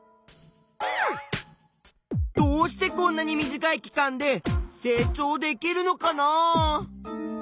どうしてこんなに短い期間で成長できるのかなあ。